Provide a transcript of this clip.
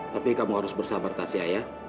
tapi kamu harus bersabar tansi ayah